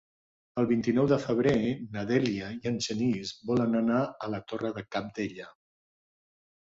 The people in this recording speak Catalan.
El vint-i-nou de febrer na Dèlia i en Genís volen anar a la Torre de Cabdella.